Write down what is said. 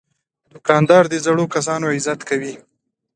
دوکاندار د زړو کسانو عزت کوي.